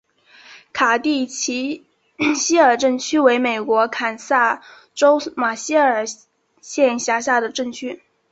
卡蒂奇希尔镇区为美国堪萨斯州马歇尔县辖下的镇区。